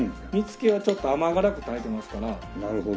煮付けはちょっと甘辛く炊いてますから。